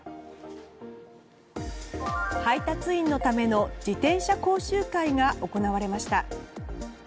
配達員のための自転車講習会が行われました。